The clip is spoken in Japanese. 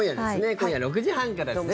今夜６時半からですね。